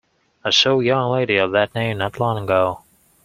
I saw a young lady of that name not long ago.